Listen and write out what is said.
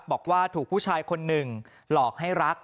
บอกว่าถูกผู้ชายคนหนึ่งหลอกให้รัก